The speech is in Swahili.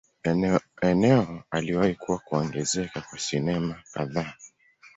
Eneo aliwahi kuwa kuongezeka kwa sinema kadhaa.